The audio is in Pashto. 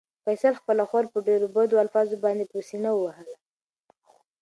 فیصل خپله خور په ډېرو بدو الفاظو باندې په سېنه ووهله.